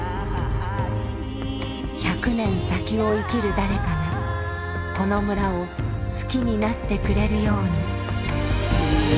１００年先を生きる誰かがこの村を好きになってくれるように。